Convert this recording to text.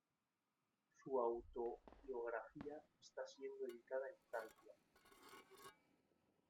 Su autobiografía está siendo editada en Francia.